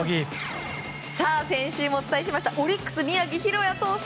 先週もお伝えしましたオリックス、宮城大弥選手。